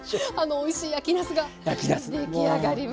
おいしい焼きなすが出来上がりました！